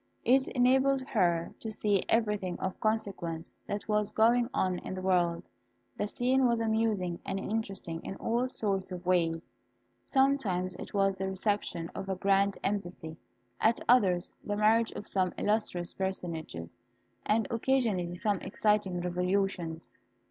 It enabled her to see everything of consequence that was going on in the world. The scene was amusing and interesting in all sorts of ways. Sometimes it was the reception of a grand embassy, at others the marriage of some illustrious personages, and occasionally some exciting revolutions.